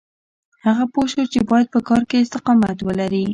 هغه پوه شو چې بايد په کار کې استقامت ولري.